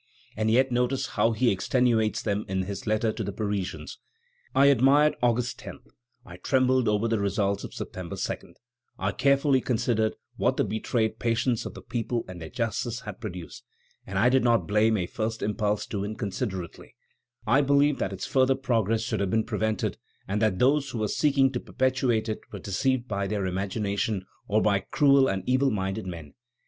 And yet notice how he extenuates them in his letter to the Parisians: "I admired August 10; I trembled over the results of September 2; I carefully considered what the betrayed patience of the people and their justice had produced, and I did not blame a first impulse too inconsiderately; I believe that its further progress should have been prevented, and that those who were seeking to perpetuate it were deceived by their imagination or by cruel and evil minded men.